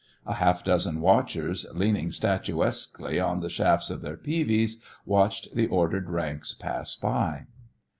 A half dozen watchers, leaning statuesquely on the shafts of their peavies, watched the ordered ranks pass by.